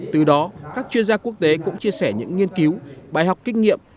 từ đó các chuyên gia quốc tế cũng chia sẻ những nghiên cứu bài học kinh nghiệm